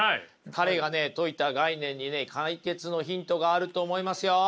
彼が説いた概念にね解決のヒントがあると思いますよ。